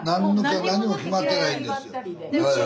何にも決まってないんです。